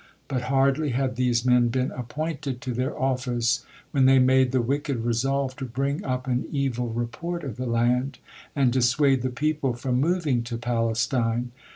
But hardly had these men been appointed to their office when they made the wicked resolve to bring up an evil report of the land, and dissuade the people from moving to Palestine.